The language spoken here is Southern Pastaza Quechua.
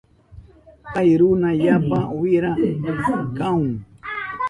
Kay runa yapa wira kahun.